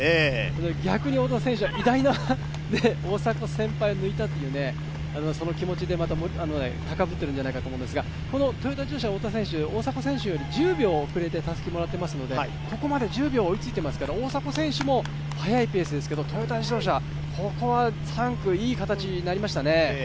逆に太田選手は偉大な大迫先輩を抜いたという、その気持ちでたかぶっているんじゃないかと思うんですがトヨタ自動車の太田選手、大迫選手より１０秒遅れてたすきをもらっていますのでここまで１０秒追いついていますから大迫選手も速いペースですけど、トヨタ自動車、ここは３区、いい形になりましたね。